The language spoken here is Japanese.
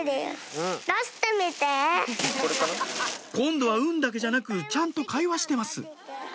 今度は「うん」だけじゃなくちゃんと会話してます